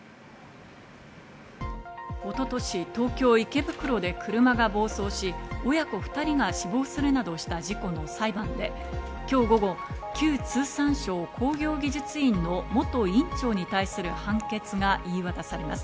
一昨年、東京・池袋で車が暴走し、親子２人が死亡するなどした事故の裁判で今日午後、旧通産省工業技術院の元院長に対する判決が言い渡されます。